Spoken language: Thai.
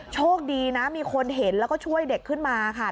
โชคดีนะมีคนเห็นแล้วก็ช่วยเด็กขึ้นมาค่ะ